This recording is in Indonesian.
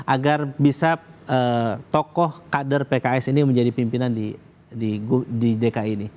agar bisa tokoh kader pks ini menjadi pimpinan di dki ini